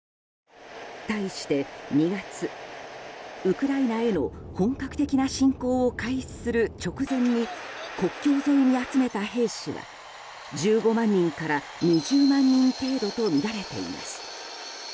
対して２月ウクライナへの本格的な侵攻を開始する直前に国境沿いに集めた兵士は１５万人から２０万人程度とみられています。